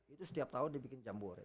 itu setiap tahun dibikin jambore